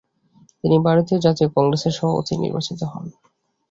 তিনি ভারতীয় জাতীয় কংগ্রেসের সভাপতি নির্বাচিত হন।